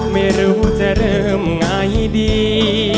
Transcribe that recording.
ไม่รู้จะเริ่มไงดี